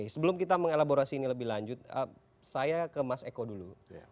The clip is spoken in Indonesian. sebelum kita mengelaborasi ini lebih lanjut saya ke mas eko dulu